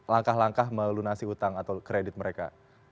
langkah langkah melunasi utang atau kredit mereka